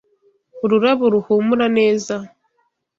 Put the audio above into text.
Ururabo ruhumura neza.